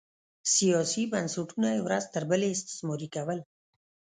سیاسي بنسټونه یې ورځ تر بلې استثماري کول